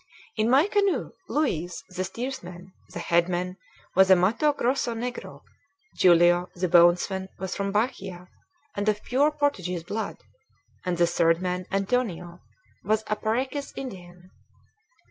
In my canoe Luiz the steersman, the headman, was a Matto Grosso negro; Julio the bowsman was from Bahia and of pure Portuguese blood; and the third man, Antonio, was a Parecis Indian.